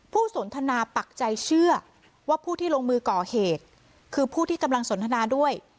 สนทนาปักใจเชื่อว่าผู้ที่ลงมือก่อเหตุคือผู้ที่กำลังสนทนาด้วย